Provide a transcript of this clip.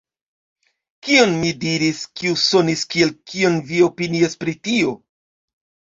Kion mi diris kiu sonis kiel “kion vi opinias pri tio”?